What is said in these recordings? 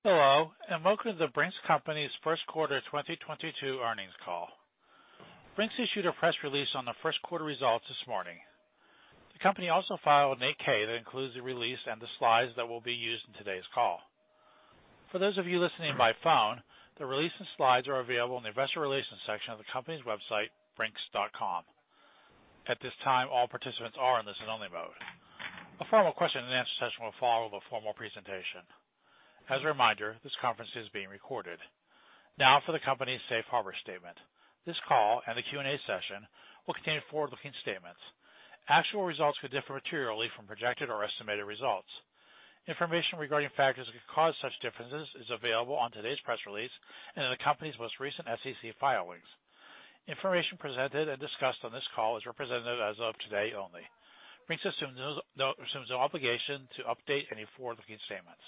Hello, and welcome to The Brink's Company's first quarter 2022 earnings call. Brink's issued a press release on the first quarter results this morning. The company also filed an 8-K that includes the release and the slides that will be used in today's call. For those of you listening by phone, the release and slides are available in the investor relations section of the company's website, brinks.com. At this time, all participants are in listen only mode. A formal question and answer session will follow the formal presentation. As a reminder, this conference is being recorded. Now for the company's safe harbor statement. This call and the Q&A session will contain forward-looking statements. Actual results could differ materially from projected or estimated results. Information regarding factors that could cause such differences is available on today's press release and in the company's most recent SEC filings. Information presented and discussed on this call is represented as of today only. Brink's assumes no obligation to update any forward-looking statements.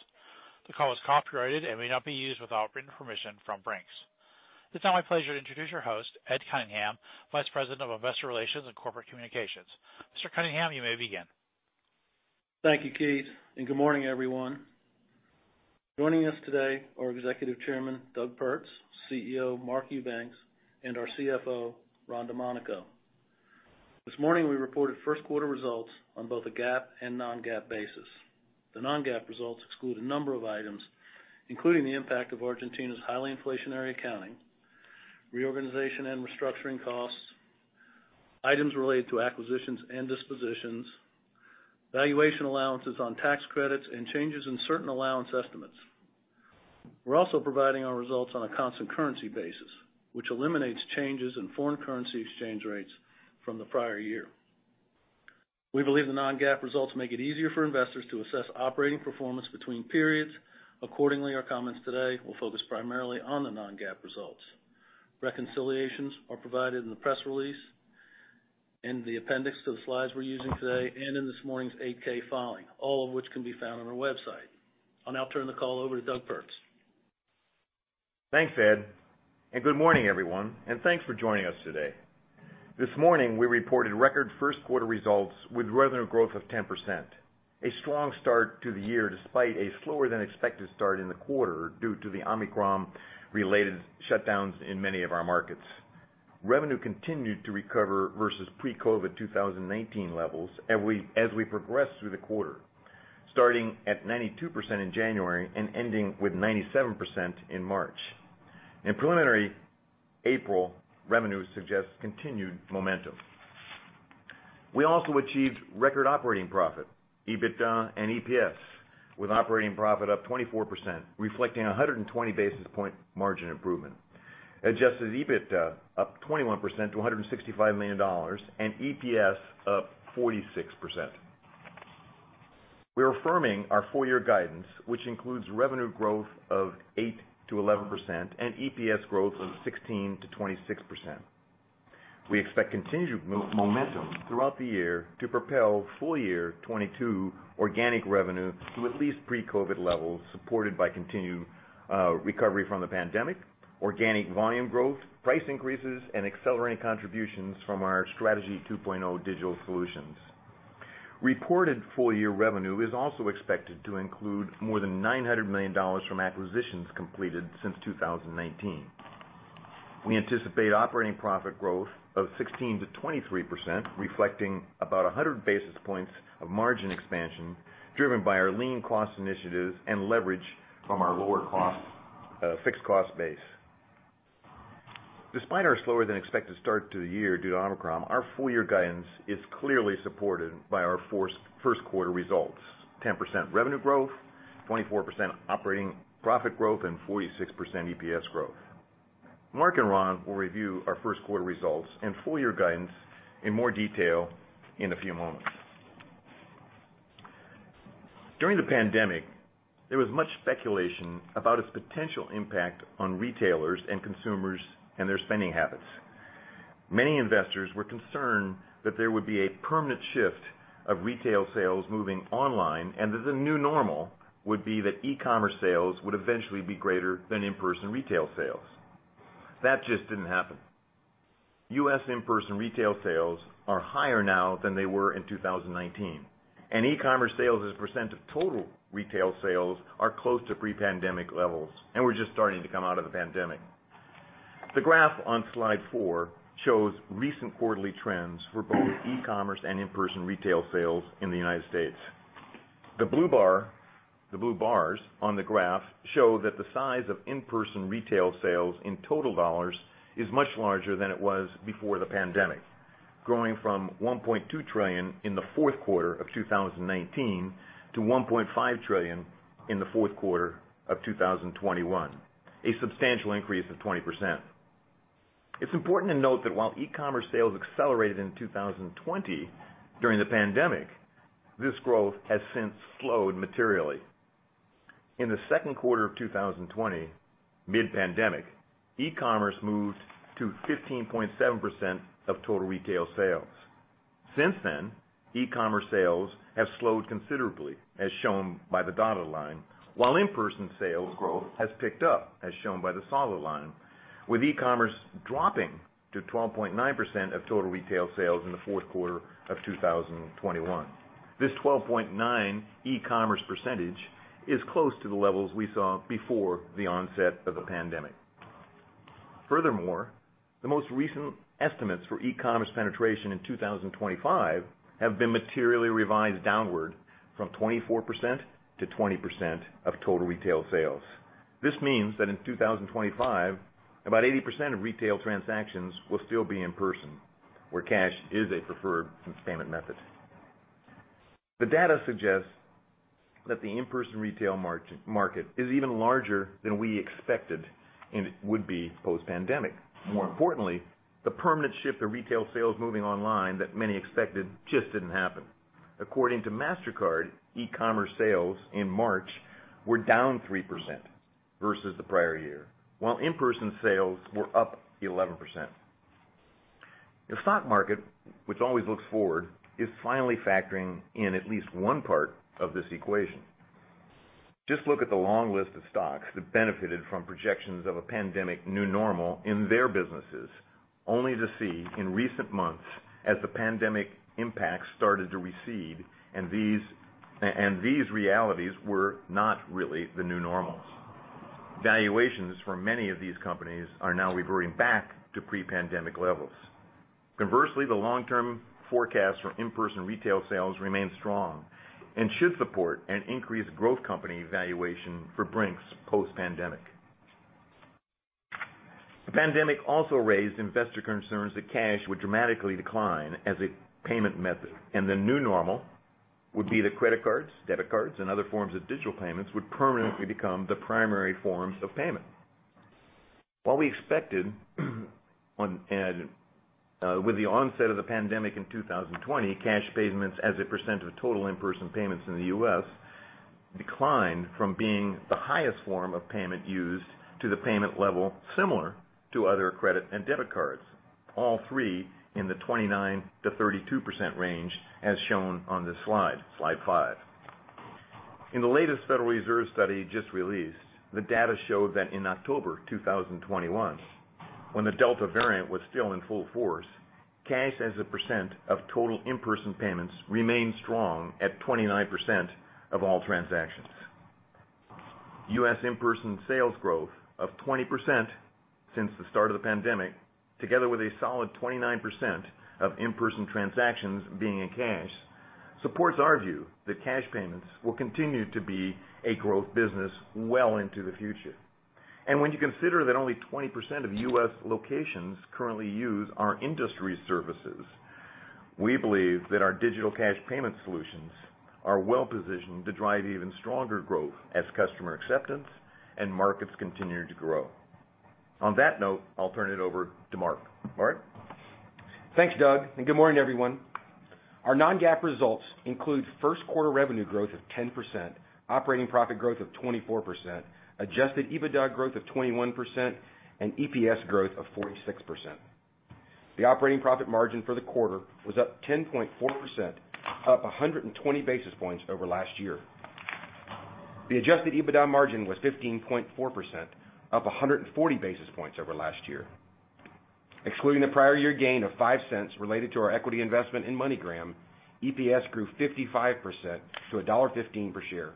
The call is copyrighted and may not be used without written permission from Brink's. It's now my pleasure to introduce your host, Ed Cunningham, Vice President of Investor Relations and Corporate Communications. Mr. Cunningham, you may begin. Thank you, Keith, and good morning, everyone. Joining us today are Executive Chairman Doug Pertz, CEO Mark Eubanks, and our CFO Ron Domanico. This morning, we reported first quarter results on both a GAAP and non-GAAP basis. The non-GAAP results exclude a number of items, including the impact of Argentina's highly inflationary accounting, reorganization and restructuring costs, items related to acquisitions and dispositions, valuation allowances on tax credits, and changes in certain allowance estimates. We're also providing our results on a constant currency basis, which eliminates changes in foreign currency exchange rates from the prior year. We believe the non-GAAP results make it easier for investors to assess operating performance between periods. Accordingly, our comments today will focus primarily on the non-GAAP results. Reconciliations are provided in the press release, in the appendix to the slides we're using today, and in this morning's 8-K filing, all of which can be found on our website. I'll now turn the call over to Doug Pertz. Thanks, Ed, and good morning, everyone, and thanks for joining us today. This morning, we reported record first quarter results with revenue growth of 10%. A strong start to the year, despite a slower than expected start in the quarter, due to the Omicron-related shutdowns in many of our markets. Revenue continued to recover versus pre-COVID 2019 levels, as we progressed through the quarter, starting at 92% in January and ending with 97% in March. In preliminary April, revenue suggests continued momentum. We also achieved record operating profit, EBITDA and EPS, with operating profit up 24%, reflecting a 120 basis point margin improvement. Adjusted EBITDA up 21% to $165 million, and EPS up 46%. We're affirming our full year guidance, which includes revenue growth of 8%-11% and EPS growth of 16%-26%. We expect continued momentum throughout the year to propel full year 2022 organic revenue to at least pre-COVID levels, supported by continued recovery from the pandemic, organic volume growth, price increases, and accelerating contributions from our Strategy 2.0 digital solutions. Reported full year revenue is also expected to include more than $900 million from acquisitions completed since 2019. We anticipate operating profit growth of 16%-23%, reflecting about 100 basis points of margin expansion driven by our lean cost initiatives and leverage from our lower cost fixed cost base. Despite our slower than expected start to the year due to Omicron, our full year guidance is clearly supported by our first quarter results, 10% revenue growth, 24% operating profit growth, and 46% EPS growth. Mark and Ron will review our first quarter results and full year guidance in more detail in a few moments. During the pandemic, there was much speculation about its potential impact on retailers and consumers and their spending habits. Many investors were concerned that there would be a permanent shift of retail sales moving online, and that the new normal would be that e-commerce sales would eventually be greater than in-person retail sales. That just didn't happen. U.S. in-person retail sales are higher now than they were in 2019. E-commerce sales as a percent of total retail sales are close to pre-pandemic levels, and we're just starting to come out of the pandemic. The graph on slide four shows recent quarterly trends for both e-commerce and in-person retail sales in the United States. The blue bars on the graph show that the size of in-person retail sales in total dollars is much larger than it was before the pandemic, growing from $1.2 trillion in the fourth quarter of 2019 to $1.5 trillion in the fourth quarter of 2021, a substantial increase of 20%. It's important to note that while e-commerce sales accelerated in 2020 during the pandemic, this growth has since slowed materially. In the second quarter of 2020, mid-pandemic, e-commerce moved to 15.7% of total retail sales. Since then, e-commerce sales have slowed considerably, as shown by the dotted line, while in-person sales growth has picked up, as shown by the solid line, with e-commerce dropping to 12.9% of total retail sales in the fourth quarter of 2021. This 12.9 e-commerce percentage is close to the levels we saw before the onset of the pandemic. Furthermore, the most recent estimates for e-commerce penetration in 2025 have been materially revised downward from 24% to 20% of total retail sales. This means that in 2025, about 80% of retail transactions will still be in person where cash is a preferred payment method. The data suggests that the in-person retail market is even larger than we expected and it would be post-pandemic. More importantly, the permanent shift of retail sales moving online that many expected just didn't happen. According to Mastercard, e-commerce sales in March were down 3% versus the prior year, while in-person sales were up 11%. The stock market, which always looks forward, is finally factoring in at least one part of this equation. Just look at the long list of stocks that benefited from projections of a pandemic new normal in their businesses, only to see in recent months as the pandemic impact started to recede and these realities were not really the new normals. Valuations for many of these companies are now reverting back to pre-pandemic levels. Conversely, the long-term forecast for in-person retail sales remains strong and should support an increased growth company valuation for Brink's post-pandemic. The pandemic also raised investor concerns that cash would dramatically decline as a payment method, and the new normal would be the credit cards, debit cards, and other forms of digital payments would permanently become the primary forms of payment. While we expected with the onset of the pandemic in 2020, cash payments as a % of total in-person payments in the U.S. declined from being the highest form of payment used to the payment level similar to other credit and debit cards, all three in the 29%-32% range as shown on this slide 5. In the latest Federal Reserve study just released, the data showed that in October 2021, when the Delta variant was still in full force, cash as a percent of total in-person payments remained strong at 29% of all transactions. US in-person sales growth of 20% since the start of the pandemic, together with a solid 29% of in-person transactions being in cash, supports our view that cash payments will continue to be a growth business well into the future. When you consider that only 20% of US locations currently use our industry services, we believe that our digital cash payment solutions are well-positioned to drive even stronger growth as customer acceptance and markets continue to grow. On that note, I'll turn it over to Mark. Mark? Thanks, Doug, and good morning, everyone. Our non-GAAP results include first quarter revenue growth of 10%, operating profit growth of 24%, Adjusted EBITDA growth of 21%, and EPS growth of 46%. The operating profit margin for the quarter was up 10.4%, up 120 basis points over last year. The Adjusted EBITDA margin was 15.4%, up 140 basis points over last year. Excluding the prior year gain of $0.05 related to our equity investment in MoneyGram, EPS grew 55%-$1.15 per share.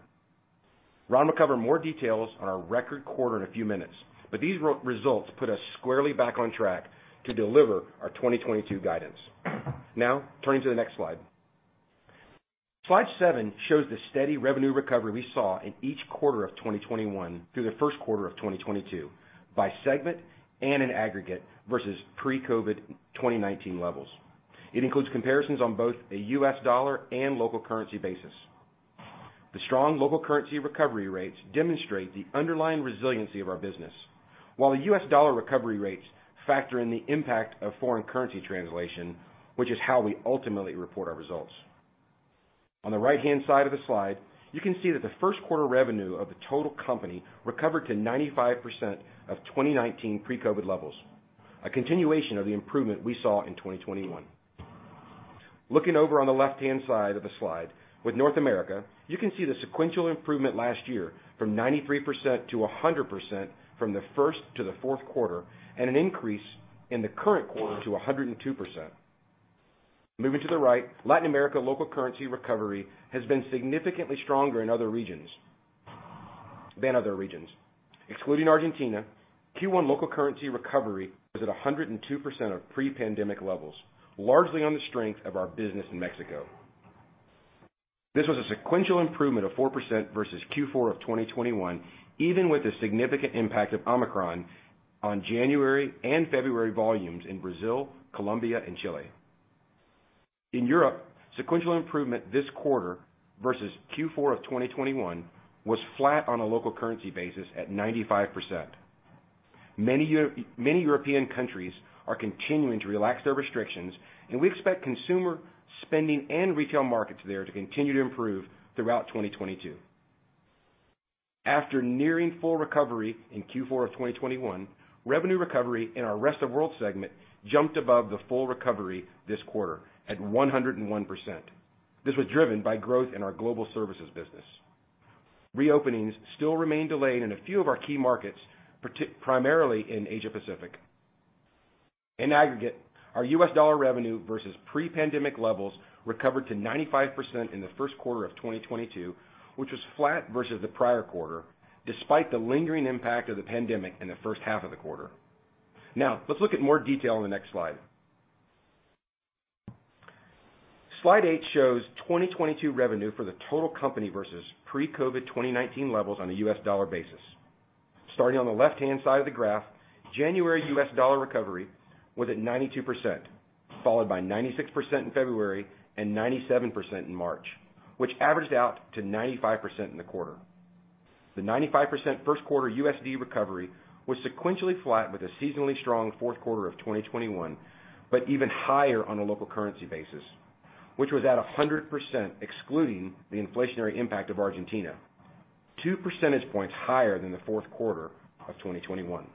Ron will cover more details on our record quarter in a few minutes, but these results put us squarely back on track to deliver our 2022 guidance. Now turning to the next slide. Slide 7 shows the steady revenue recovery we saw in each quarter of 2021 through the first quarter of 2022 by segment and in aggregate versus pre-COVID 2019 levels. It includes comparisons on both the US dollar and local currency basis. The strong local currency recovery rates demonstrate the underlying resiliency of our business. While the US dollar recovery rates factor in the impact of foreign currency translation, which is how we ultimately report our results. On the right-hand side of the slide, you can see that the first quarter revenue of the total company recovered to 95% of 2019 pre-COVID levels, a continuation of the improvement we saw in 2021. Looking over on the left-hand side of the slide, with North America, you can see the sequential improvement last year from 93% to 100% from the first to the fourth quarter, and an increase in the current quarter to 102%. Moving to the right, Latin America local currency recovery has been significantly stronger than in other regions. Excluding Argentina, Q1 local currency recovery was at 102% of pre-pandemic levels, largely on the strength of our business in Mexico. This was a sequential improvement of 4% versus Q4 of 2021, even with the significant impact of Omicron on January and February volumes in Brazil, Colombia, and Chile. In Europe, sequential improvement this quarter versus Q4 of 2021 was flat on a local currency basis at 95%. Many European countries are continuing to relax their restrictions, and we expect consumer spending and retail markets there to continue to improve throughout 2022. After nearing full recovery in Q4 of 2021, revenue recovery in our rest of world segment jumped above the full recovery this quarter at 101%. This was driven by growth in our global services business. Reopenings still remain delayed in a few of our key markets, primarily in Asia-Pacific. In aggregate, our U.S. dollar revenue versus pre-pandemic levels recovered to 95% in the first quarter of 2022, which was flat versus the prior quarter, despite the lingering impact of the pandemic in the first half of the quarter. Now, let's look at more detail on the next slide. Slide 8 shows 2022 revenue for the total company versus pre-COVID 2019 levels on a U.S. dollar basis. Starting on the left-hand side of the graph, January U.S. dollar recovery was at 92%, followed by 96% in February and 97% in March, which averaged out to 95% in the quarter. The 95% first quarter USD recovery was sequentially flat with a seasonally strong fourth quarter of 2021, but even higher on a local currency basis, which was at 100% excluding the inflationary impact of Argentina, 2 percentage points higher than the fourth quarter of 2021.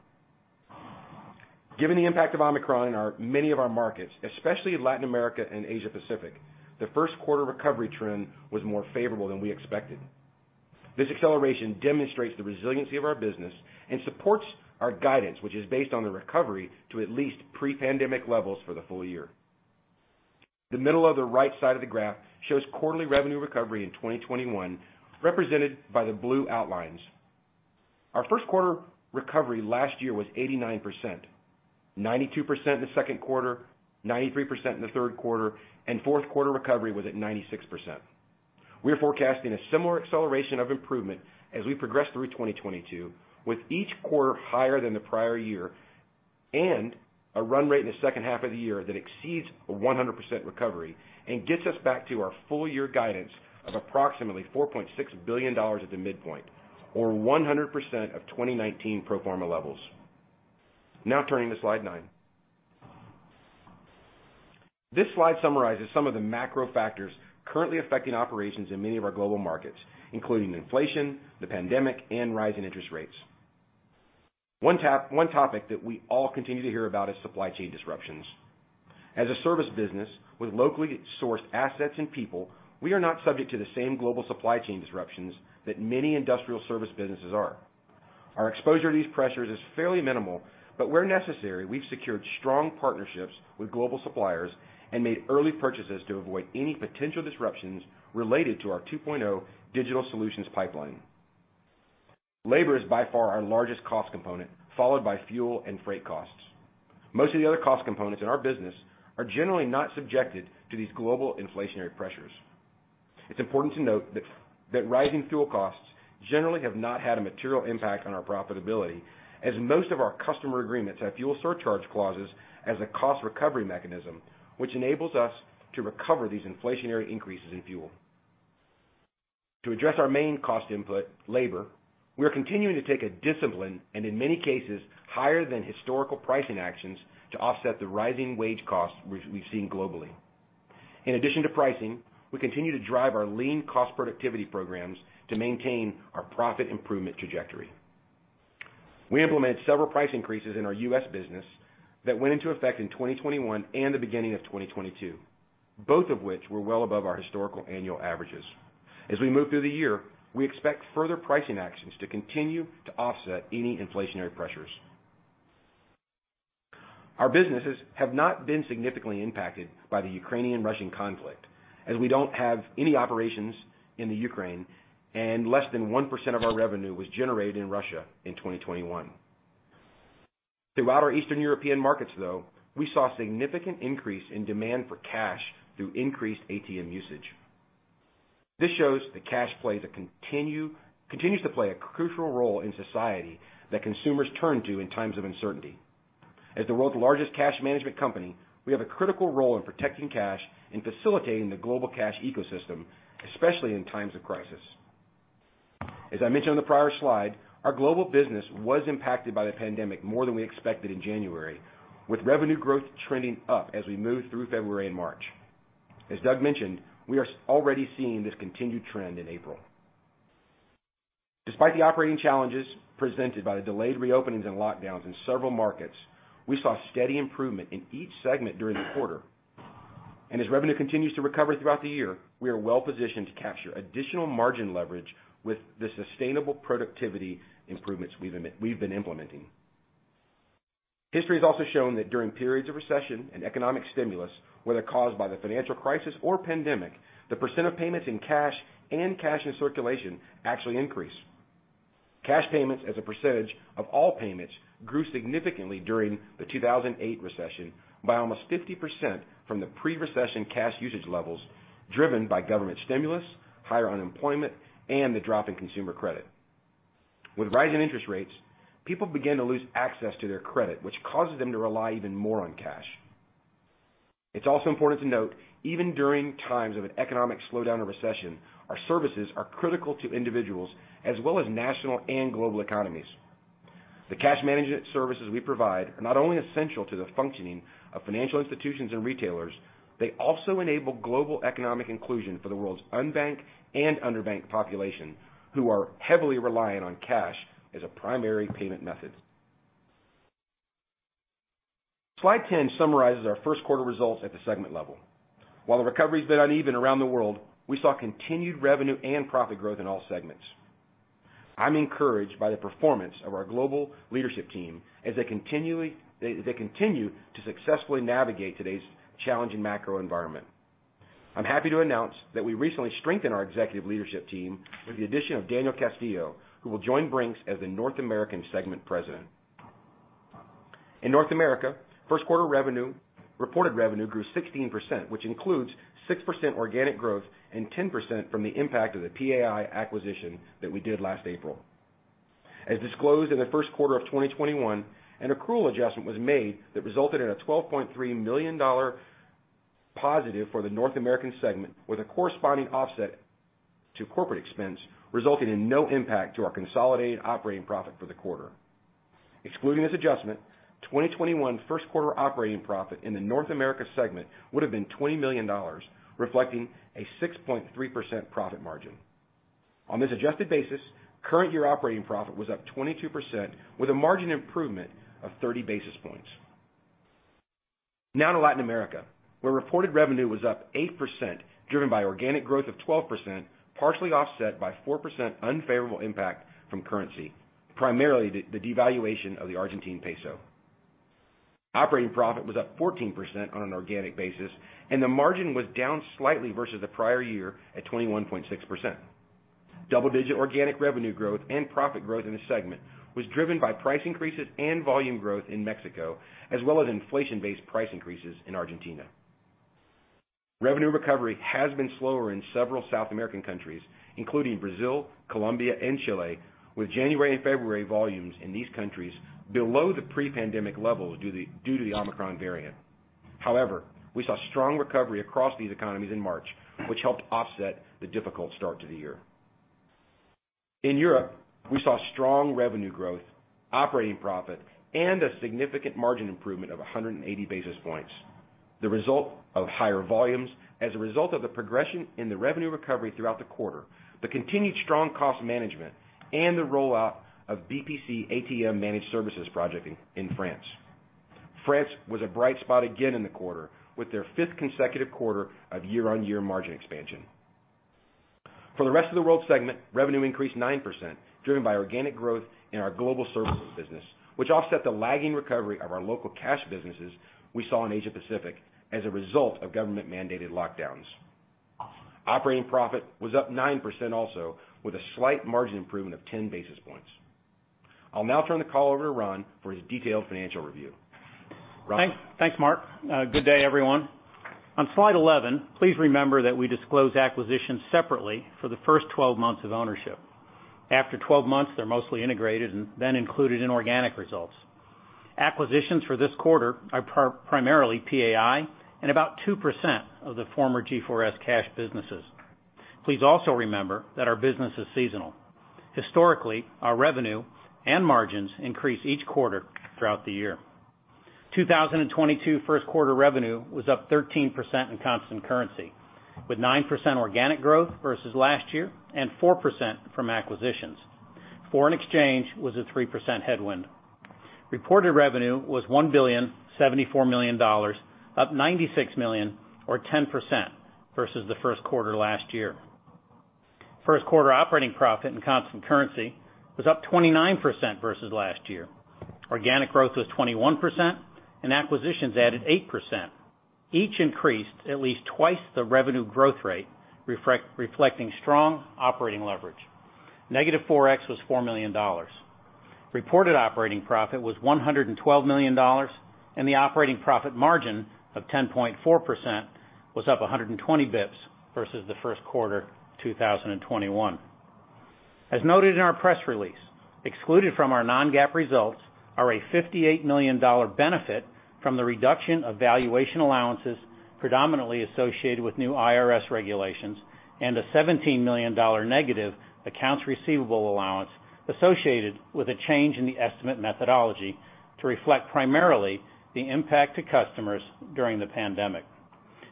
Given the impact of Omicron in many of our markets, especially Latin America and Asia-Pacific, the first quarter recovery trend was more favorable than we expected. This acceleration demonstrates the resiliency of our business and supports our guidance, which is based on the recovery to at least pre-pandemic levels for the full year. The middle of the right side of the graph shows quarterly revenue recovery in 2021, represented by the blue outlines. Our first quarter recovery last year was 89%, 92% in the second quarter, 93% in the third quarter, and fourth quarter recovery was at 96%. We are forecasting a similar acceleration of improvement as we progress through 2022, with each quarter higher than the prior year and a run rate in the second half of the year that exceeds a 100% recovery and gets us back to our full year guidance of approximately $4.6 billion at the midpoint or 100% of 2019 pro forma levels. Now turning to slide 9. This slide summarizes some of the macro factors currently affecting operations in many of our global markets, including inflation, the pandemic, and rising interest rates. One topic that we all continue to hear about is supply chain disruptions. As a service business with locally sourced assets and people, we are not subject to the same global supply chain disruptions that many industrial service businesses are. Our exposure to these pressures is fairly minimal, but where necessary, we've secured strong partnerships with global suppliers and made early purchases to avoid any potential disruptions related to our 2.0 digital solutions pipeline. Labor is by far our largest cost component, followed by fuel and freight costs. Most of the other cost components in our business are generally not subjected to these global inflationary pressures. It's important to note that rising fuel costs generally have not had a material impact on our profitability, as most of our customer agreements have fuel surcharge clauses as a cost recovery mechanism, which enables us to recover these inflationary increases in fuel. To address our main cost input, labor, we are continuing to take a disciplined and in many cases higher than historical pricing actions to offset the rising wage costs we've seen globally. In addition to pricing, we continue to drive our Lean cost productivity programs to maintain our profit improvement trajectory. We implemented several price increases in our U.S. business that went into effect in 2021 and the beginning of 2022, both of which were well above our historical annual averages. As we move through the year, we expect further pricing actions to continue to offset any inflationary pressures. Our businesses have not been significantly impacted by the Ukrainian-Russian conflict, as we don't have any operations in the Ukraine, and less than 1% of our revenue was generated in Russia in 2021. Throughout our Eastern European markets, though, we saw significant increase in demand for cash through increased ATM usage. This shows that cash continues to play a crucial role in society that consumers turn to in times of uncertainty. As the world's largest cash management company, we have a critical role in protecting cash and facilitating the global cash ecosystem, especially in times of crisis. As I mentioned on the prior slide, our global business was impacted by the pandemic more than we expected in January, with revenue growth trending up as we moved through February and March. As Doug mentioned, we are already seeing this continued trend in April. Despite the operating challenges presented by the delayed reopenings and lockdowns in several markets, we saw steady improvement in each segment during the quarter. As revenue continues to recover throughout the year, we are well positioned to capture additional margin leverage with the sustainable productivity improvements we've been implementing. History has also shown that during periods of recession and economic stimulus, whether caused by the financial crisis or pandemic, the percent of payments in cash and cash in circulation actually increase. Cash payments as a percentage of all payments grew significantly during the 2008 recession by almost 50% from the pre-recession cash usage levels driven by government stimulus, higher unemployment, and the drop in consumer credit. With rising interest rates, people begin to lose access to their credit, which causes them to rely even more on cash. It's also important to note, even during times of an economic slowdown or recession, our services are critical to individuals as well as national and global economies. The cash management services we provide are not only essential to the functioning of financial institutions and retailers, they also enable global economic inclusion for the world's unbanked and underbanked population, who are heavily reliant on cash as a primary payment method. Slide 10 summarizes our first quarter results at the segment level. While the recovery has been uneven around the world, we saw continued revenue and profit growth in all segments. I'm encouraged by the performance of our global leadership team as they continue to successfully navigate today's challenging macro environment. I'm happy to announce that we recently strengthened our executive leadership team with the addition of Daniel Castillo, who will join Brink's as the North American segment president. In North America, first quarter reported revenue grew 16%, which includes 6% organic growth and 10% from the impact of the PAI acquisition that we did last April. As disclosed in the first quarter of 2021, an accrual adjustment was made that resulted in a $12.3 million positive for the North American segment, with a corresponding offset to corporate expense resulting in no impact to our consolidated operating profit for the quarter. Excluding this adjustment, 2021 first quarter operating profit in the North America segment would have been $20 million, reflecting a 6.3% profit margin. On this adjusted basis, current year operating profit was up 22%, with a margin improvement of 30 basis points. Now to Latin America, where reported revenue was up 8%, driven by organic growth of 12%, partially offset by 4% unfavorable impact from currency, primarily the devaluation of the Argentine peso. Operating profit was up 14% on an organic basis, and the margin was down slightly versus the prior year at 21.6%. Double-digit organic revenue growth and profit growth in the segment was driven by price increases and volume growth in Mexico, as well as inflation-based price increases in Argentina. Revenue recovery has been slower in several South American countries, including Brazil, Colombia, and Chile, with January and February volumes in these countries below the pre-pandemic levels due to the Omicron variant. However, we saw strong recovery across these economies in March, which helped offset the difficult start to the year. In Europe, we saw strong revenue growth, operating profit, and a significant margin improvement of 180 basis points, the result of higher volumes as a result of the progression in the revenue recovery throughout the quarter, the continued strong cost management, and the rollout of BPCE ATM Managed Services project in France. France was a bright spot again in the quarter, with their fifth consecutive quarter of year-on-year margin expansion. For the rest of the world segment, revenue increased 9%, driven by organic growth in our global services business, which offset the lagging recovery of our local cash businesses we saw in Asia-Pacific as a result of government-mandated lockdowns. Operating profit was up 9% also, with a slight margin improvement of 10 basis points. I'll now turn the call over to Ron for his detailed financial review. Ron? Thanks. Thanks, Mark. Good day, everyone. On slide 11, please remember that we disclose acquisitions separately for the first 12 months of ownership. After 12 months, they're mostly integrated and then included in organic results. Acquisitions for this quarter are primarily PAI and about 2% of the former G4S cash businesses. Please also remember that our business is seasonal. Historically, our revenue and margins increase each quarter throughout the year. 2022 first quarter revenue was up 13% in constant currency, with 9% organic growth versus last year and 4% from acquisitions. Foreign exchange was a 3% headwind. Reported revenue was $1,074 million, up $96 million or 10% versus the first quarter last year. First quarter operating profit in constant currency was up 29% versus last year. Organic growth was 21% and acquisitions added 8%, each increased at least twice the revenue growth rate, reflecting strong operating leverage. Negative Forex was $4 million. Reported operating profit was $112 million, and the operating profit margin of 10.4% was up 120 BPS versus the first quarter 2021. As noted in our press release, excluded from our non-GAAP results are a $58 million benefit from the reduction of valuation allowances predominantly associated with new IRS regulations and a $17 million negative accounts receivable allowance associated with a change in the estimate methodology to reflect primarily the impact to customers during the pandemic.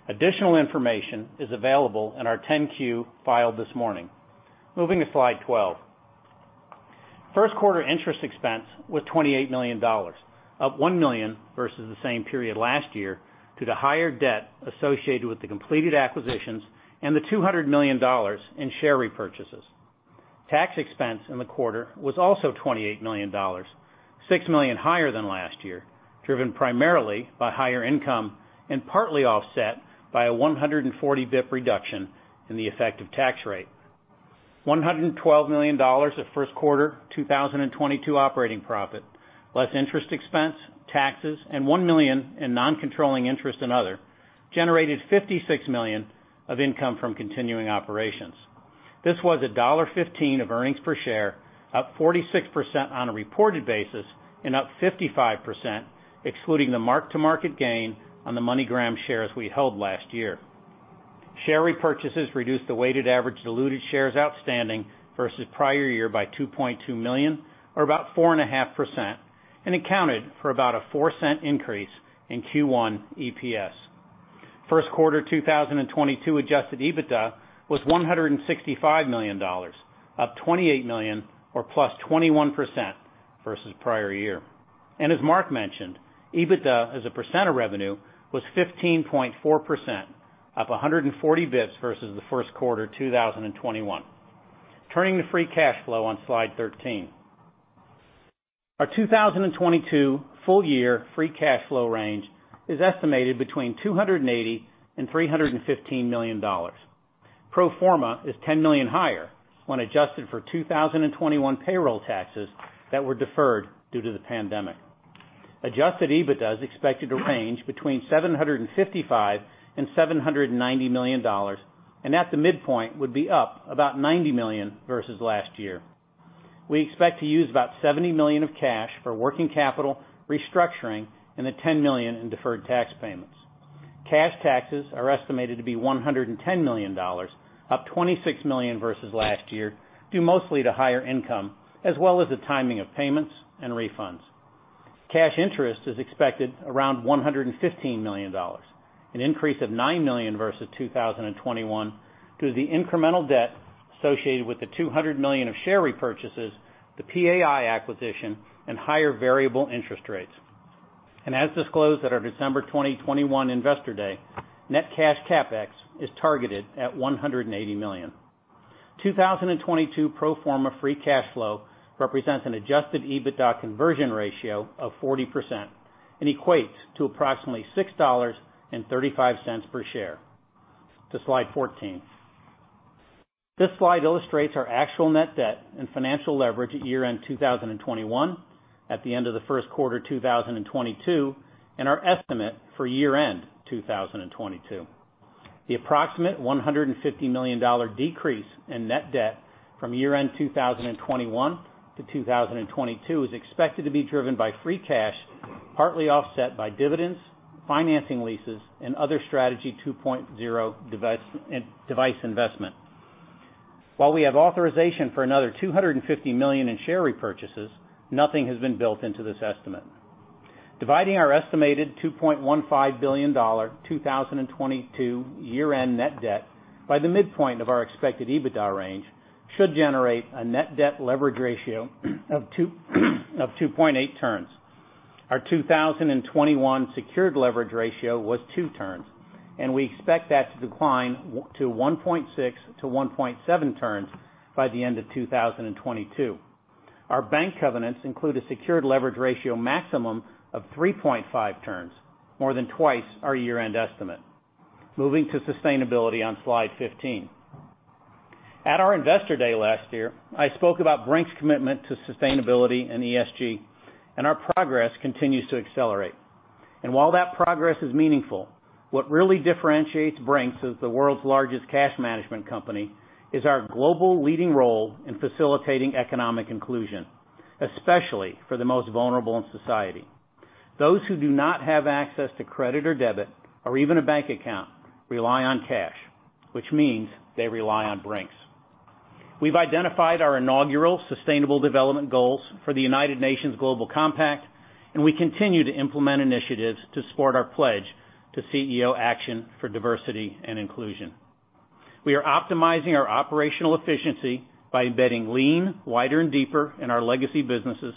Additional information is available in our 10-Q filed this morning. Moving to slide 12. First quarter interest expense was $28 million, up $1 million versus the same period last year due to higher debt associated with the completed acquisitions and the $200 million in share repurchases. Tax expense in the quarter was also $28 million, $6 million higher than last year, driven primarily by higher income and partly offset by a 140 basis points reduction in the effective tax rate. $112 million of first quarter 2022 operating profit, less interest expense, taxes, and $1 million in non-controlling interest and other, generated $56 million of income from continuing operations. This was $1.15 of earnings per share, up 46% on a reported basis and up 55% excluding the mark-to-market gain on the MoneyGram shares we held last year. Share repurchases reduced the weighted average diluted shares outstanding versus prior year by 2.2 million or about 4.5%, and accounted for about a $0.04 increase in Q1 EPS. First quarter 2022 adjusted EBITDA was $165 million, up $28 million or +21% versus prior year. As Mark mentioned, EBITDA as a percent of revenue was 15.4%, up 140 basis points versus the first quarter 2021. Turning to free cash flow on slide 13. Our 2022 full year free cash flow range is estimated between $280 million-$315 million. Pro forma is $10 million higher when adjusted for 2021 payroll taxes that were deferred due to the pandemic. Adjusted EBITDA is expected to range between $755 million-$790 million, and at the midpoint would be up about $90 million versus last year. We expect to use about $70 million of cash for working capital restructuring and the $10 million in deferred tax payments. Cash taxes are estimated to be $110 million, up $26 million versus last year, due mostly to higher income as well as the timing of payments and refunds. Cash interest is expected around $115 million, an increase of $9 million versus 2021 due to the incremental debt associated with the $200 million of share repurchases, the PAI acquisition and higher variable interest rates. As disclosed at our December 2021 investor day, net cash CapEx is targeted at $180 million. 2022 pro forma free cash flow represents an Adjusted EBITDA conversion ratio of 40% and equates to approximately $6.35 per share. To slide 14. This slide illustrates our actual net debt and financial leverage at year-end 2021 at the end of the first quarter 2022, and our estimate for year-end 2022. The approximate $150 million decrease in net debt from year-end 2021 to 2022 is expected to be driven by free cash, partly offset by dividends, financing leases and other Strategy 2.0 device investment. While we have authorization for another $250 million in share repurchases, nothing has been built into this estimate. Dividing our estimated $2.15 billion 2022 year-end net debt by the midpoint of our expected EBITDA range should generate a net debt leverage ratio of 2.0-2.8 turns. Our 2021 secured leverage ratio was 2 turns, and we expect that to decline to 1.6-1.7 turns by the end of 2022. Our bank covenants include a secured leverage ratio maximum of 3.5 turns, more than twice our year-end estimate. Moving to sustainability on slide 15. At our investor day last year, I spoke about Brink's commitment to sustainability and ESG, and our progress continues to accelerate. While that progress is meaningful, what really differentiates Brink's as the world's largest cash management company is our global leading role in facilitating economic inclusion, especially for the most vulnerable in society. Those who do not have access to credit or debit or even a bank account rely on cash, which means they rely on Brink's. We've identified our inaugural sustainable development goals for the United Nations Global Compact, and we continue to implement initiatives to support our pledge to CEO Action for Diversity & Inclusion. We are optimizing our operational efficiency by embedding lean, Wider and Deeper in our legacy businesses,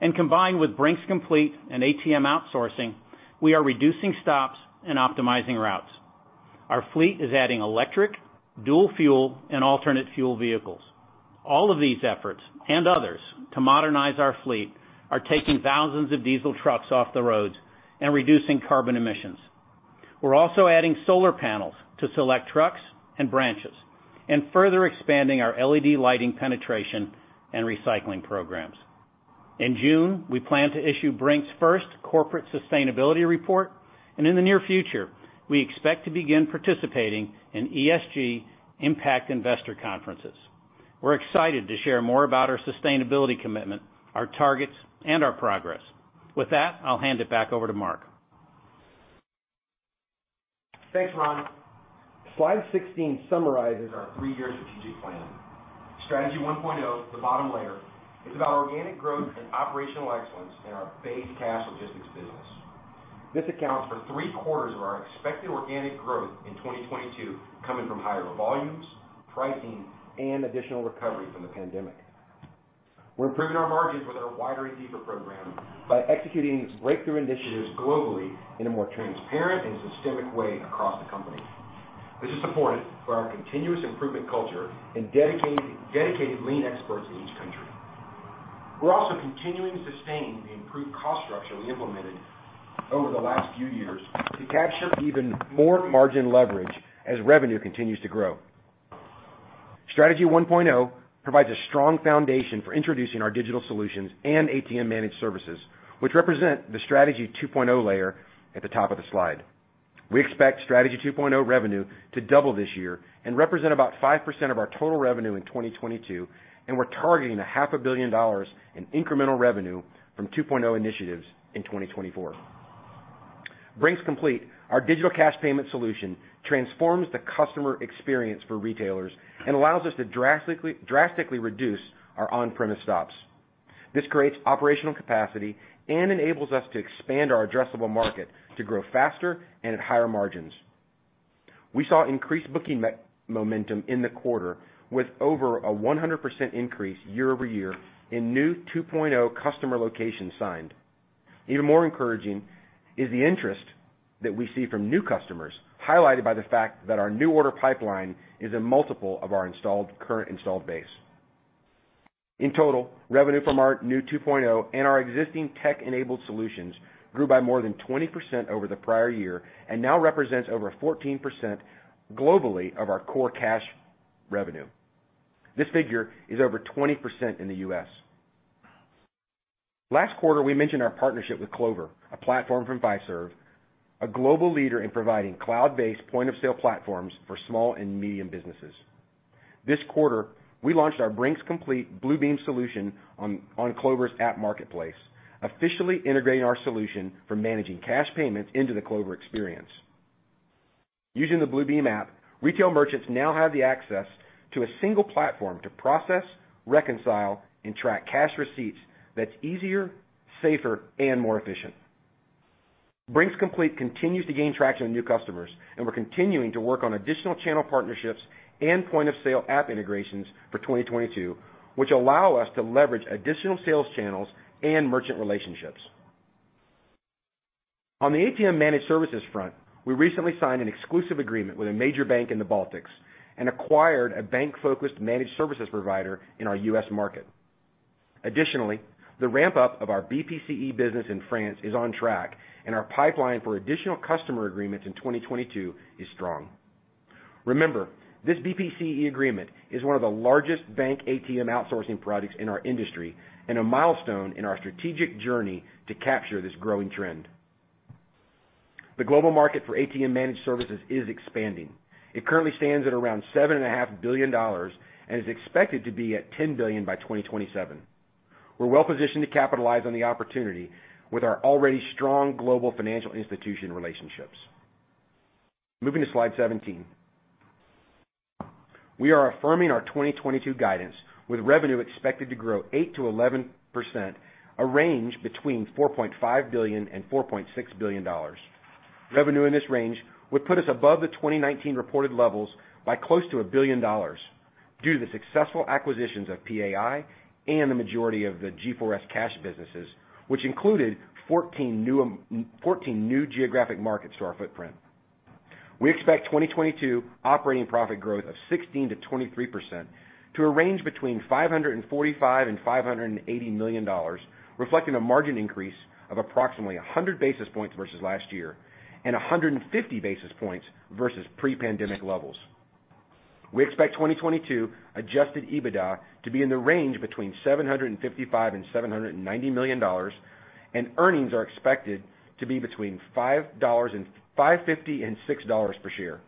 and combined with Brink's Complete and ATM outsourcing, we are reducing stops and optimizing routes. Our fleet is adding electric, dual fuel, and alternate fuel vehicles. All of these efforts and others to modernize our fleet are taking thousands of diesel trucks off the roads and reducing carbon emissions. We're also adding solar panels to select trucks and branches and further expanding our LED lighting penetration and recycling programs. In June, we plan to issue Brink's first corporate sustainability report, and in the near future, we expect to begin participating in ESG impact investor conferences. We're excited to share more about our sustainability commitment, our targets, and our progress. With that, I'll hand it back over to Mark. Thanks, Ron. Slide 16 summarizes our three-year strategic plan. Strategy 1.0, the bottom layer, is about organic growth and operational excellence in our base cash logistics business. This accounts for three-quarters of our expected organic growth in 2022, coming from higher volumes, pricing, and additional recovery from the pandemic. We're improving our margins with our Wider and Deeper program by executing these breakthrough initiatives globally in a more transparent and systemic way across the company. This is supported by our continuous improvement culture and dedicated lean experts in each country. We're also continuing to sustain the improved cost structure we implemented over the last few years to capture even more margin leverage as revenue continues to grow. Strategy 1.0 provides a strong foundation for introducing our digital solutions and ATM Managed Services, which represent the Strategy 2.0 layer at the top of the slide. We expect Strategy 2.0 revenue to double this year and represent about 5% of our total revenue in 2022, and we're targeting half a billion dollars in incremental revenue from 2.0 initiatives in 2024. Brink's Complete, our digital cash payment solution, transforms the customer experience for retailers and allows us to drastically reduce our on-premise stops. This creates operational capacity and enables us to expand our addressable market to grow faster and at higher margins. We saw increased booking momentum in the quarter with over a 100% increase year-over-year in new 2.0 customer locations signed. Even more encouraging is the interest that we see from new customers, highlighted by the fact that our new order pipeline is a multiple of our current installed base. In total, revenue from our new 2.0 and our existing tech-enabled solutions grew by more than 20% over the prior year and now represents over 14% globally of our core cash revenue. This figure is over 20% in the U.S. Last quarter, we mentioned our partnership with Clover, a platform from Fiserv, a global leader in providing cloud-based point-of-sale platforms for small and medium businesses. This quarter, we launched our Brink's Complete BLUbeem solution on Clover's app marketplace, officially integrating our solution for managing cash payments into the Clover experience. Using the BLUbeem app, retail merchants now have the access to a single platform to process, reconcile, and track cash receipts that's easier, safer, and more efficient. Brink's Complete continues to gain traction with new customers, and we're continuing to work on additional channel partnerships and point-of-sale app integrations for 2022, which allow us to leverage additional sales channels and merchant relationships. On the ATM Managed Services front, we recently signed an exclusive agreement with a major bank in the Baltics and acquired a bank-focused managed services provider in our U.S. market. Additionally, the ramp-up of our BPCE business in France is on track, and our pipeline for additional customer agreements in 2022 is strong. Remember, this BPCE agreement is one of the largest bank ATM outsourcing projects in our industry and a milestone in our strategic journey to capture this growing trend. The global market for ATM Managed Services is expanding. It currently stands at around $7.5 billion and is expected to be at $10 billion by 2027. We're well-positioned to capitalize on the opportunity with our already strong global financial institution relationships. Moving to slide 17. We are affirming our 2022 guidance, with revenue expected to grow 8%-11%, a range between $4.5 billion and $4.6 billion. Revenue in this range would put us above the 2019 reported levels by close to $1 billion due to the successful acquisitions of PAI and the majority of the G4S cash businesses, which included 14 new geographic markets to our footprint. We expect 2022 operating profit growth of 16%-23% to a range between $545 million and $580 million, reflecting a margin increase of approximately 100 basis points versus last year and 150 basis points versus pre-pandemic levels. We expect 2022 adjusted EBITDA to be in the range between $755 million and $790 million, and earnings are expected to be between $5.50 and $6 per share.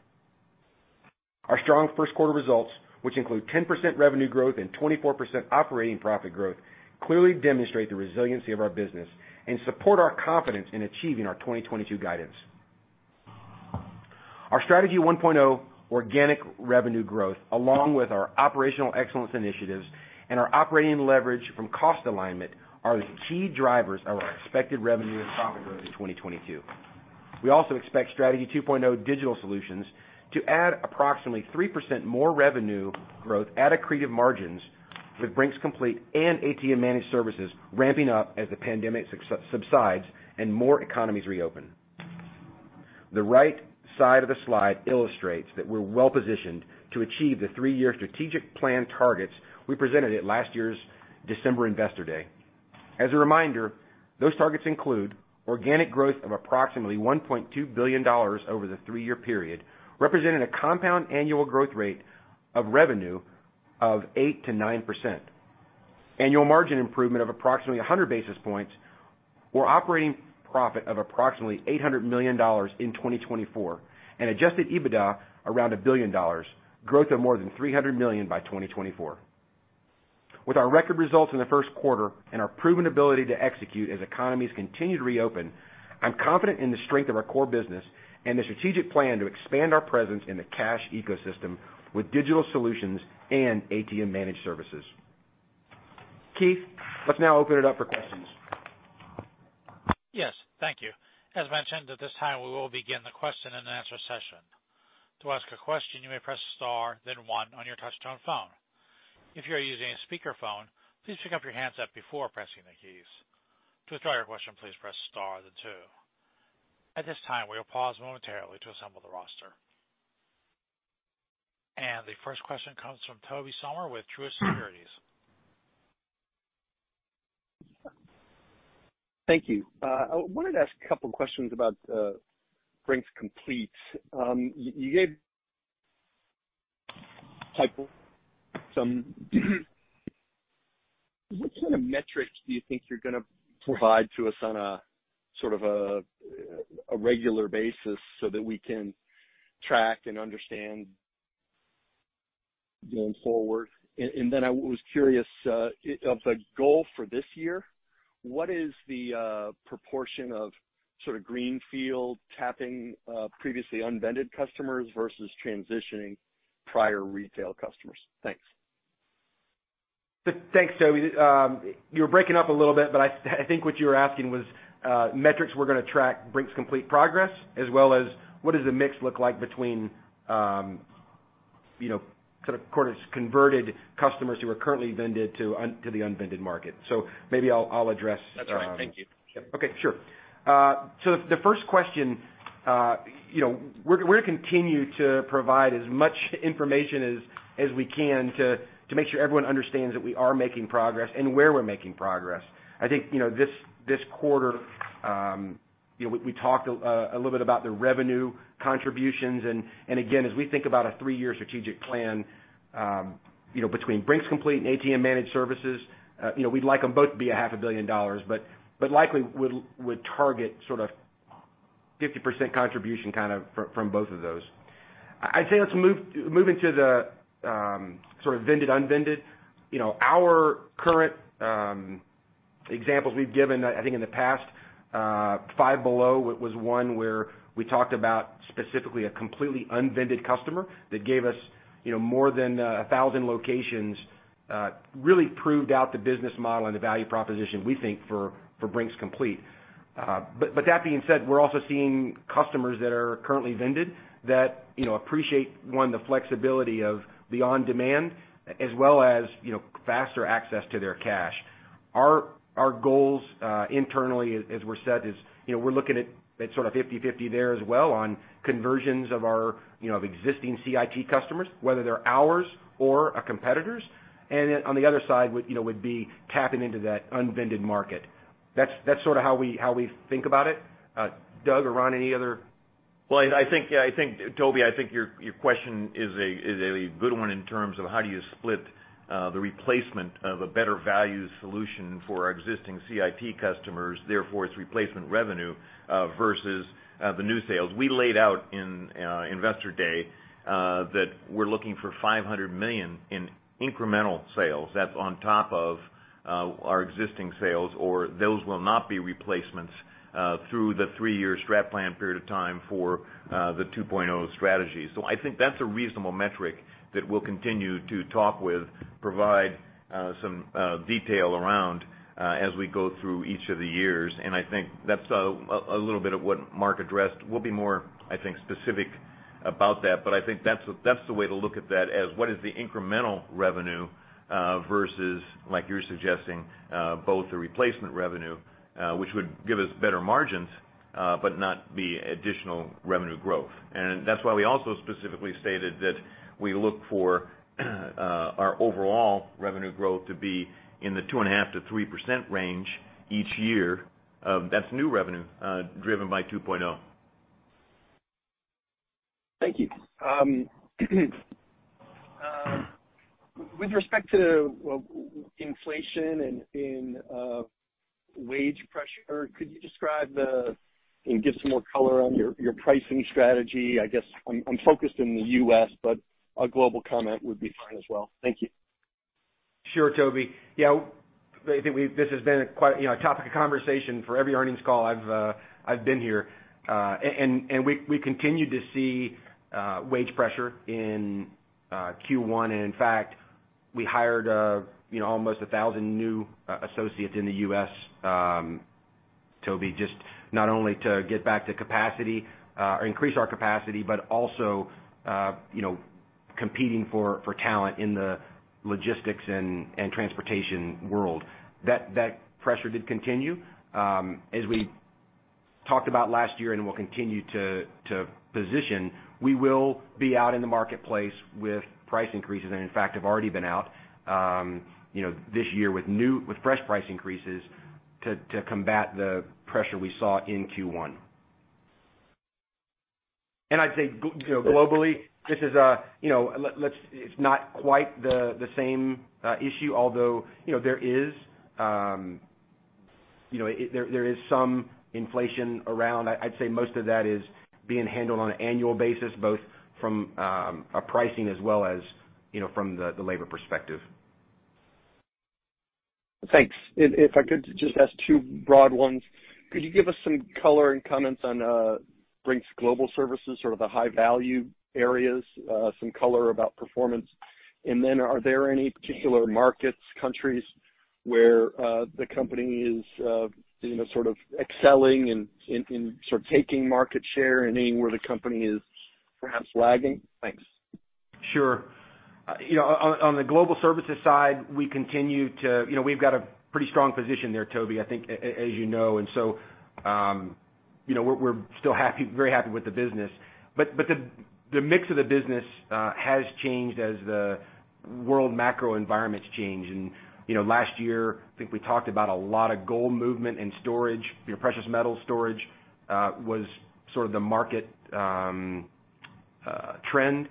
Our strong first quarter results, which include 10% revenue growth and 24% operating profit growth, clearly demonstrate the resiliency of our business and support our confidence in achieving our 2022 guidance. Our Strategy 1.0 organic revenue growth, along with our operational excellence initiatives and our operating leverage from cost alignment, are the key drivers of our expected revenue and profit growth in 2022. We also expect Strategy 2.0 digital solutions to add approximately 3% more revenue growth at accretive margins with Brink's Complete and ATM Managed Services ramping up as the pandemic subsides and more economies reopen. The right side of the slide illustrates that we're well-positioned to achieve the three-year strategic plan targets we presented at last year's December Investor Day. As a reminder, those targets include organic growth of approximately $1.2 billion over the three-year period, representing a compound annual growth rate of revenue of 8%-9%. Annual margin improvement of approximately 100 basis points or operating profit of approximately $800 million in 2024 and Adjusted EBITDA around $1 billion, growth of more than $300 million by 2024. With our record results in the first quarter and our proven ability to execute as economies continue to reopen, I'm confident in the strength of our core business and the strategic plan to expand our presence in the cash ecosystem with digital solutions and ATM Managed Services. Keith, let's now open it up for questions. Yes, thank you. As mentioned, at this time, we will begin the question-and-answer session. To ask a question, you may press star, then one on your touch-tone phone. If you are using a speakerphone, please pick up your handset before pressing the keys. To withdraw your question, please press star then two. At this time, we will pause momentarily to assemble the roster. The first question comes from Tobey Sommer with Truist Securities. Thank you. I wanted to ask a couple questions about Brink's Complete. What kind of metrics do you think you're gonna provide to us on a sort of regular basis so that we can track and understand? Going forward. I was curious of the goal for this year, what is the proportion of sort of greenfield tapping previously unvended customers versus transitioning prior retail customers? Thanks. Thanks, Tobey. You were breaking up a little bit, but I think what you were asking was metrics we're gonna track Brink's Complete progress, as well as what does the mix look like between, you know, sort of quarters converted customers who are currently vended to the unvended market. Maybe I'll address. That's all right. Thank you. Yep. Okay. Sure. The first question, you know, we're gonna continue to provide as much information as we can to make sure everyone understands that we are making progress and where we're making progress. I think, you know, this quarter, you know, we talked a little bit about the revenue contributions. Again, as we think about a three-year strategic plan, you know, between Brink's Complete and ATM Managed Services, you know, we'd like them both to be a half a billion dollars, but likely would target sort of 50% contribution kind of from both of those. I'd say let's move to the sort of vended/unvended. You know, our current examples we've given, I think in the past, Five Below was one where we talked about specifically a completely unvended customer that gave us, you know, more than 1,000 locations, really proved out the business model and the value proposition, we think, for Brink's Complete. But that being said, we're also seeing customers that are currently vended that, you know, appreciate one, the flexibility of the on-demand as well as, you know, faster access to their cash. Our goals internally, as were said is, you know, we're looking at sort of 50/50 there as well on conversions of our, you know, of existing CIT customers, whether they're ours or a competitor's. Then on the other side would be tapping into that unvended market. That's sort of how we think about it. Doug or Ron, any other I think, Tobey, your question is a good one in terms of how do you split the replacement of a better value solution for our existing CIT customers, therefore its replacement revenue versus the new sales. We laid out in Investor Day that we're looking for $500 million in incremental sales. That's on top of our existing sales, or those will not be replacements through the three-year strat plan period of time for the 2.0 strategy. I think that's a reasonable metric that we'll continue to talk with, provide some detail around as we go through each of the years. I think that's a little bit of what Mark addressed. We'll be more, I think, specific about that, but I think that's the way to look at that, as what is the incremental revenue versus like you're suggesting both the replacement revenue, which would give us better margins, but not be additional revenue growth. That's why we also specifically stated that we look for our overall revenue growth to be in the 2.5%-3% range each year. That's new revenue driven by 2.0. Thank you. With respect to, well, inflation and wage pressure, could you describe, you know, give some more color on your pricing strategy? I guess I'm focused in the US, but a global comment would be fine as well. Thank you. Sure, Tobey. Yeah, I think this has been quite, you know, a topic of conversation for every earnings call I've been here. We continue to see wage pressure in Q1. In fact, we hired, you know, almost 1,000 new associates in the U.S., Tobey, just not only to get back to capacity or increase our capacity, but also, you know, competing for talent in the logistics and transportation world. That pressure did continue. As we talked about last year and will continue to position, we will be out in the marketplace with price increases, and in fact, have already been out, you know, this year with new, with fresh price increases to combat the pressure we saw in Q1. I'd say you know, globally, this is, you know, it's not quite the same issue, although, you know, there is some inflation around. I'd say most of that is being handled on an annual basis, both from a pricing as well as, you know, from the labor perspective. Thanks. If I could just ask two broad ones. Could you give us some color and comments on Brink's Global Services, sort of the high-value areas, some color about performance? And then are there any particular markets, countries where the company is, you know, sort of excelling in taking market share? Anywhere the company is perhaps lagging? Thanks. Sure. You know, on the global services side, we continue to. You know, we've got a pretty strong position there, Tobey, I think as you know. You know, we're still happy, very happy with the business. But the mix of the business has changed as the world macro environment's changed. You know, last year, I think we talked about a lot of gold movement and storage. You know, precious metal storage was sort of the market trend.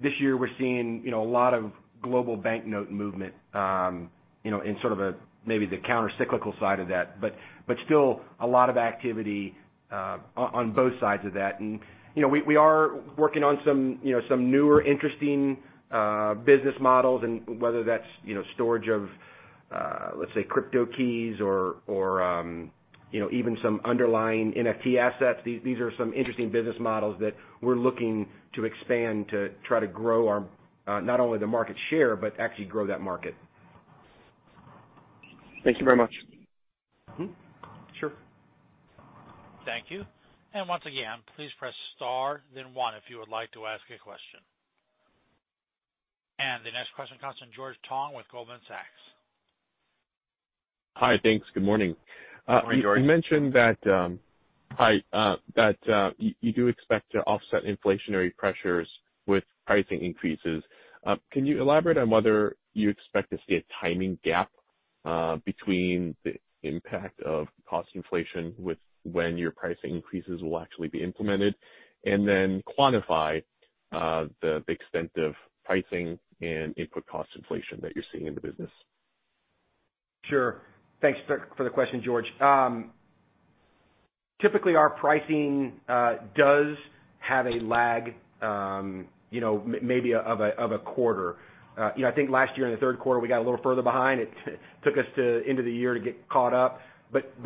This year we're seeing, you know, a lot of global banknote movement, you know, in sort of a, maybe the counter cyclical side of that, but still a lot of activity on both sides of that. You know, we are working on some, you know, some newer interesting business models, and whether that's, you know, storage of, let's say crypto keys or you know, even some underlying NFT assets. These are some interesting business models that we're looking to expand to try to grow our, not only the market share, but actually grow that market. Thank you very much. Mm-hmm. Sure. Thank you. Once again, please press star then one if you would like to ask a question. The next question comes from George Tong with Goldman Sachs. Hi. Thanks. Good morning. Good morning, George. You mentioned that you do expect to offset inflationary pressures with pricing increases. Can you elaborate on whether you expect to see a timing gap between the impact of cost inflation and when your pricing increases will actually be implemented? Quantify the extent of pricing and input cost inflation that you're seeing in the business. Sure. Thanks for the question, George. Typically our pricing does have a lag, you know, maybe of a quarter. You know, I think last year in the third quarter we got a little further behind. It took us to end of the year to get caught up.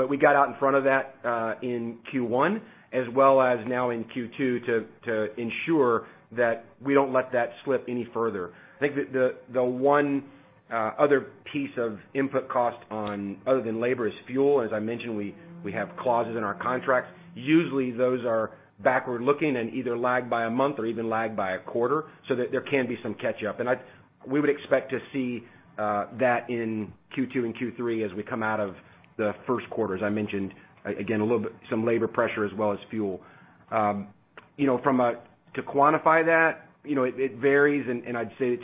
We got out in front of that in Q1 as well as now in Q2 to ensure that we don't let that slip any further. I think the one other piece of input cost other than labor is fuel. As I mentioned, we have clauses in our contracts. Usually, those are backward looking and either lag by a month or even lag by a quarter, so that there can be some catch up. We would expect to see that in Q2 and Q3 as we come out of the first quarter, as I mentioned, again, a little bit some labor pressure as well as fuel. You know, to quantify that, you know, it varies and I'd say it's,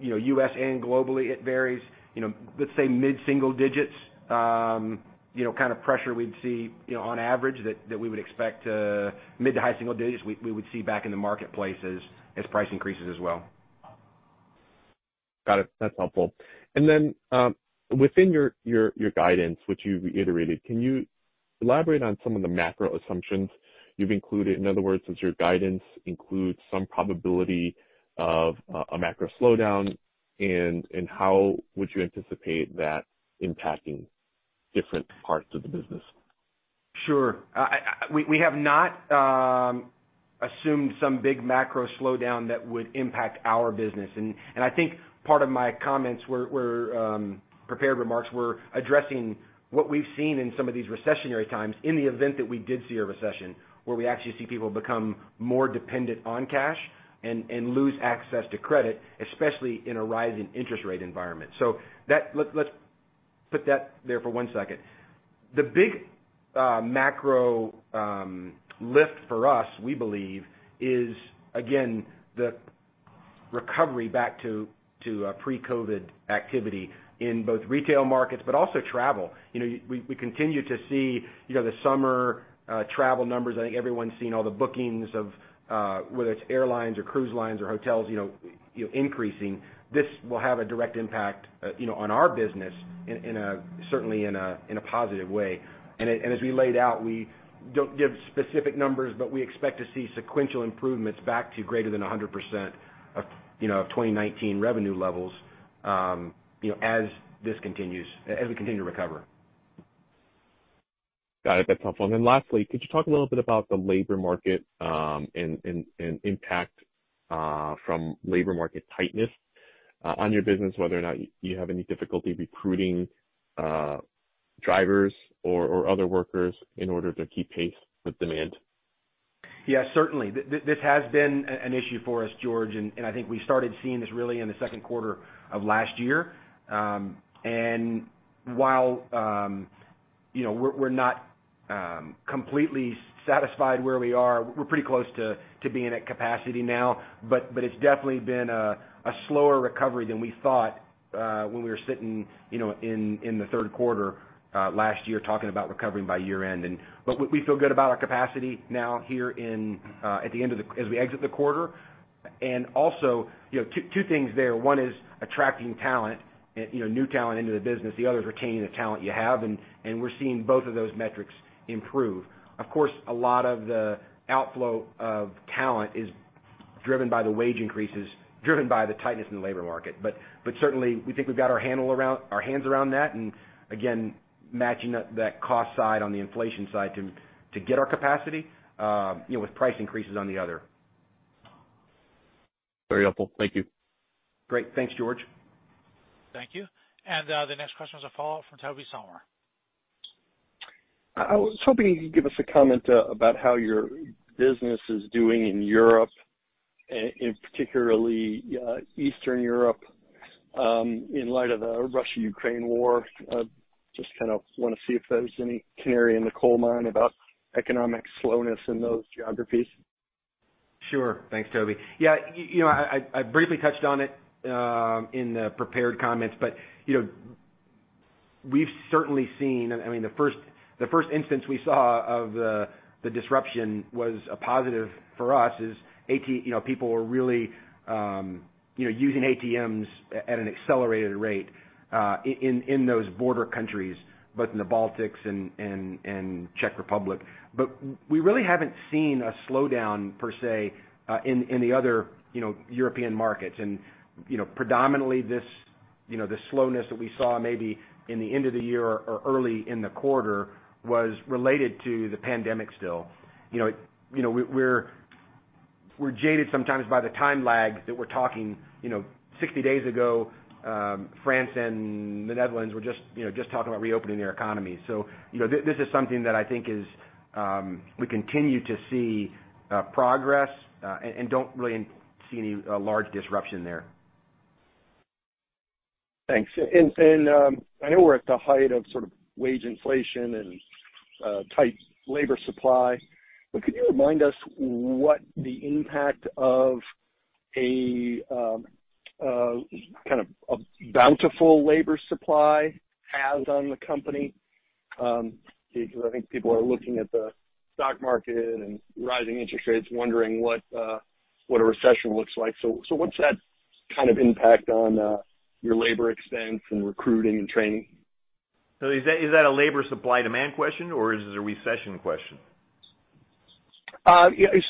you know, U.S. and globally it varies. You know, let's say mid-single digits, you know, kind of pressure we'd see, you know, on average that we would expect to mid- to high-single digits, we would see back in the marketplace as price increases as well. Got it. That's helpful. Within your guidance, which you reiterated, can you elaborate on some of the macro assumptions you've included? In other words, does your guidance include some probability of a macro slowdown? How would you anticipate that impacting different parts of the business? Sure. We have not assumed some big macro slowdown that would impact our business. I think part of my comments were prepared remarks addressing what we've seen in some of these recessionary times in the event that we did see a recession, where we actually see people become more dependent on cash and lose access to credit, especially in a rising interest rate environment. That. Let's put that there for one second. The big macro lift for us, we believe, is again, the recovery back to a pre-COVID activity in both retail markets but also travel. You know, we continue to see, you know, the summer travel numbers. I think everyone's seen all the bookings of whether it's airlines or cruise lines or hotels, you know, increasing. This will have a direct impact, you know, on our business, certainly in a positive way. As we laid out, we don't give specific numbers, but we expect to see sequential improvements back to greater than 100% of, you know, 2019 revenue levels, you know, as this continues, as we continue to recover. Got it. That's helpful. Lastly, could you talk a little bit about the labor market, and impact from labor market tightness on your business, whether or not you have any difficulty recruiting drivers or other workers in order to keep pace with demand? Yeah, certainly. This has been an issue for us, George, and I think we started seeing this really in the second quarter of last year. While you know, we're not completely satisfied where we are, we're pretty close to being at capacity now. It's definitely been a slower recovery than we thought when we were sitting, you know, in the third quarter last year talking about recovering by year-end. We feel good about our capacity now as we exit the quarter. Also, you know, two things there. One is attracting talent and, you know, new talent into the business, the other is retaining the talent you have. We're seeing both of those metrics improve. Of course, a lot of the outflow of talent is driven by the wage increases, driven by the tightness in the labor market. Certainly we think we've got our hands around that, and again, matching that cost side on the inflation side to get our capacity, you know, with price increases on the other. Very helpful. Thank you. Great. Thanks, George. Thank you. The next question is a follow-up from Tobey Sommer. I was hoping you could give us a comment about how your business is doing in Europe, and particularly Eastern Europe, in light of the Russia-Ukraine war. Just kind of wanna see if there's any canary in the coal mine about economic slowness in those geographies. Sure. Thanks, Tobey. Yeah, I briefly touched on it in the prepared comments, but you know, we've certainly seen. I mean, the first instance we saw of the disruption was a positive for us. You know, people were really using ATMs at an accelerated rate in those border countries, both in the Baltics and Czech Republic. We really haven't seen a slowdown per se in the other European markets. You know, predominantly this, you know, the slowness that we saw maybe in the end of the year or early in the quarter was related to the pandemic still. You know, we're jaded sometimes by the time lag that we're talking, you know, 60 days ago, France and the Netherlands were just, you know, just talking about reopening their economy. You know, this is something that I think is. We continue to see progress, and don't really see any large disruption there. Thanks. I know we're at the height of sort of wage inflation and tight labor supply, but could you remind us what the impact of a kind of bountiful labor supply has on the company? Because I think people are looking at the stock market and rising interest rates wondering what a recession looks like. So what's that kind of impact on your labor expense and recruiting and training? Is that a labor supply demand question or is it a recession question?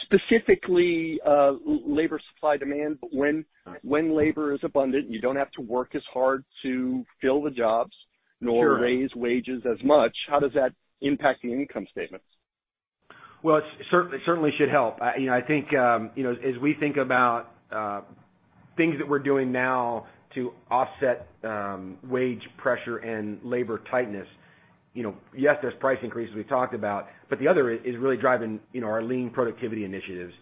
Specifically, labor supply and demand, but when- All right. When labor is abundant, you don't have to work as hard to fill the jobs. Sure. Not raise wages as much, how does that impact the income statements? Well, it certainly should help. You know, I think, you know, as we think about things that we're doing now to offset wage pressure and labor tightness, you know, yes, there's price increases we talked about, but the other is really driving, you know, our lean productivity initiatives.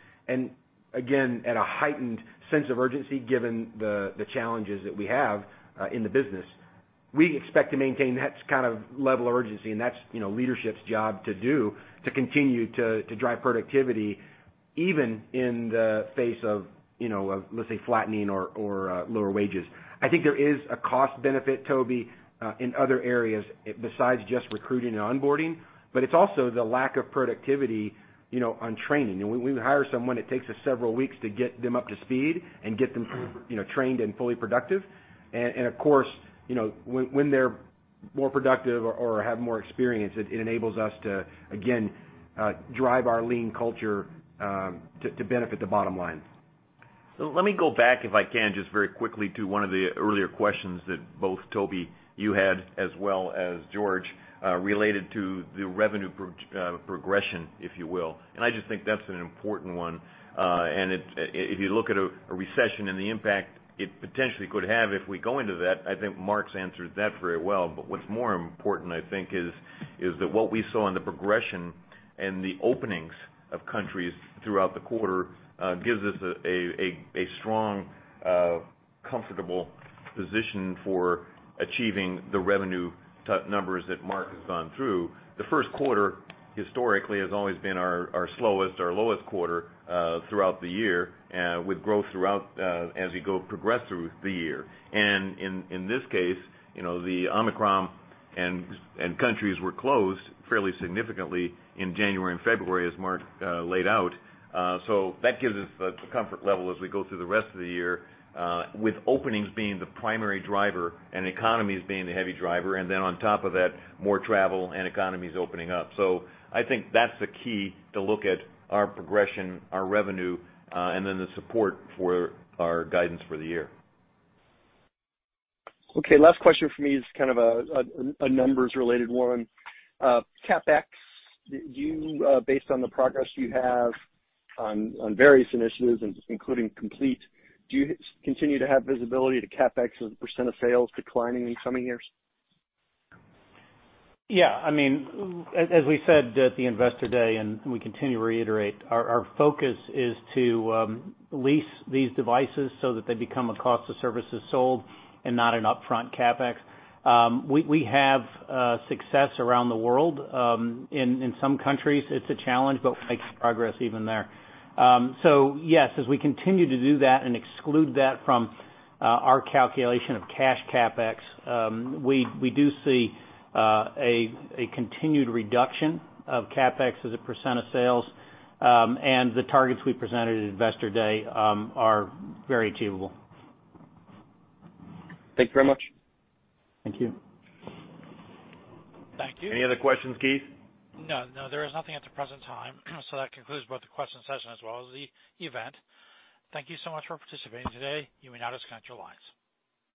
Again, at a heightened sense of urgency, given the challenges that we have in the business, we expect to maintain that kind of level of urgency. That's, you know, leadership's job to do to continue to drive productivity even in the face of, you know, of, let's say, flattening or lower wages. I think there is a cost benefit, Tobey, in other areas besides just recruiting and onboarding. It's also the lack of productivity, you know, on training. You know, when we hire someone, it takes us several weeks to get them up to speed and get them, you know, trained and fully productive. Of course, you know, when they're more productive or have more experience, it enables us to, again, drive our lean culture, to benefit the bottom line. Let me go back, if I can, just very quickly to one of the earlier questions that both Tobey, you had, as well as George, related to the revenue progression, if you will. I just think that's an important one. If you look at a recession and the impact it potentially could have if we go into that, I think Mark's answered that very well. What's more important, I think, is that what we saw in the progression and the openings of countries throughout the quarter gives us a strong, comfortable position for achieving the revenue numbers that Mark has gone through. The first quarter historically has always been our slowest or lowest quarter throughout the year with growth throughout as you progress through the year. In this case, you know, the Omicron and countries were closed fairly significantly in January and February as Mark laid out. That gives us a comfort level as we go through the rest of the year, with openings being the primary driver and economies being the heavy driver, and then on top of that, more travel and economies opening up. I think that's the key to look at our progression, our revenue, and then the support for our guidance for the year. Okay. Last question for me is kind of a numbers related one. CapEx, based on the progress you have on various initiatives, including Complete, do you continue to have visibility to CapEx as a percentage of sales declining in coming years? Yeah. I mean, as we said at the Investor Day, and we continue to reiterate, our focus is to lease these devices so that they become a cost of services sold and not an upfront CapEx. We have success around the world. In some countries, it's a challenge, but we're making progress even there. Yes, as we continue to do that and exclude that from our calculation of cash CapEx, we do see a continued reduction of CapEx as a % of sales, and the targets we presented at Investor Day are very achievable. Thank you very much. Thank you. Thank you. Any other questions, Keith? No, no, there is nothing at the present time. That concludes both the question session as well as the event. Thank you so much for participating today. You may now disconnect your lines.